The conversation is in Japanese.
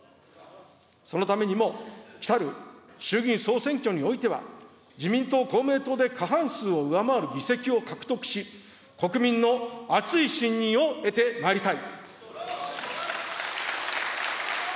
そのためにも、来る衆議院総選挙においては、自民党、公明党で過半数を上回る議席を獲得し、国民の厚い信任を得てまいりたい。